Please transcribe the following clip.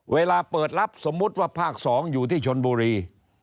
เวลาเปิดรับสมมุติว่าภาค๒อยู่ที่ชนบุรี